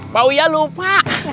pak wuyah lupa